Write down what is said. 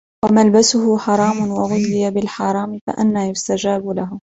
وَمَلْبَسُهُ حَرَامٌ، وَغُذِّيَ بِالْحَرَامَ، فَأَنَّى يُسْتَجَابُ لَهُ؟